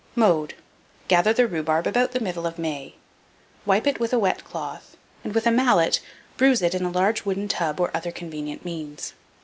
Mode. Gather the rhubarb about the middle of May; wipe it with a wet cloth, and, with a mallet, bruise it in a large wooden tub or other convenient means.